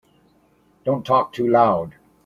Don't talk too loud.